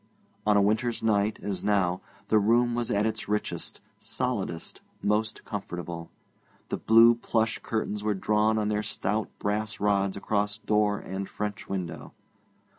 On a winter's night, as now, the room was at its richest, solidest, most comfortable. The blue plush curtains were drawn on their stout brass rods across door and French window.